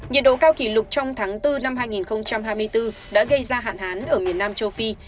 nhiệt độ cao kỷ lục trong tháng bốn năm hai nghìn hai mươi bốn đã gây ra hạn hán ở miền nam châu phi